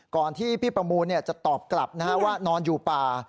ก่อนที่พี่ประมูลจะตอบกลับว่านอนอยู่ป่า